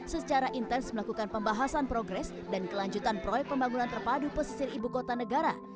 secara intens melakukan pembahasan progres dan kelanjutan proyek pembangunan terpadu pesisir ibu kota negara